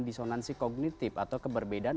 disonansi kognitif atau keberbedaan